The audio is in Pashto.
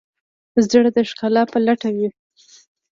زړه د ښکلا په لټه وي.